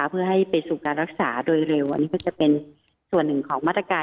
เพื่อให้ไปสู่การรักษาโดยเร็วอันนี้ก็จะเป็นส่วนหนึ่งของมาตรการ